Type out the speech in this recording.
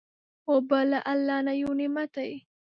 اوبه له الله نه یو نعمت دی.